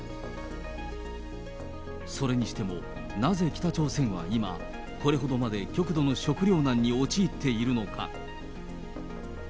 それにしても、なぜ北朝鮮は今、これほどまで極度の食糧難に陥っているのか。